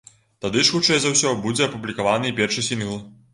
Тады ж хутчэй за ўсё будзе апублікаваны і першы сінгл.